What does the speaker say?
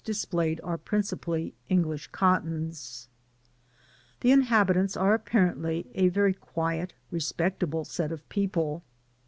displayed are principally English cottons. The inhabitants are apparently a v&y qnj^t, r^q)ectable set of people.